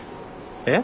えっ？